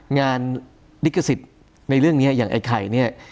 งานลิขสิทธิ์ในเรื่องนี้อย่างไอ้ไข่